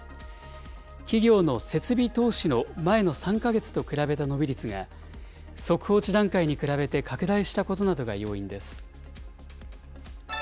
企業の設備投資の前の３か月と比べた伸び率が、速報値段階に比べて拡大したことなどが要因です。